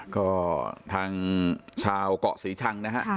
ก็ทางชาวเกาะศรีชังนะฮะ